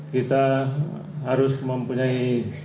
kita harus mempunyai